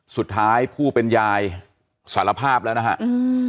สุดท้ายผู้เป็นยายสารภาพแล้วนะฮะอืม